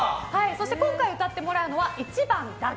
今回歌ってもらうのは１番だけ。